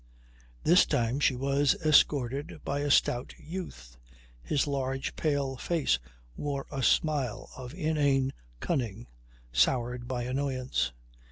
This time she was escorted by a stout youth. His large pale face wore a smile of inane cunning soured by annoyance.